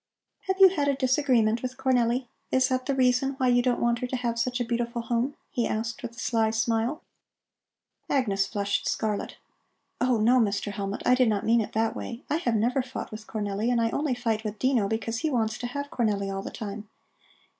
"Have you had a disagreement with Cornelli? Is that the reason why you don't want her to have such a beautiful home?" he asked with a sly smile. Agnes flushed scarlet. "Oh no, Mr. Hellmut, I did not mean it that way. I have never fought with Cornelli, and I only fight with Dino because he wants to have Cornelli all the time.